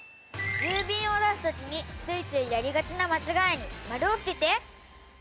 郵便を出すときに、ついついやりがちな間違いに丸をつけて。